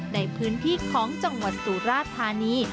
ในพื้นที่ของจังหวัดสุราธานี